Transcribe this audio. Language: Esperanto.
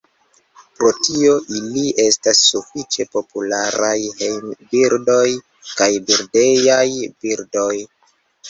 Pro tio ili estas sufiĉe popularaj hejmbirdoj kaj birdejaj birdoj.